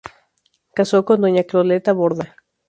Casó con doña Coleta Borda.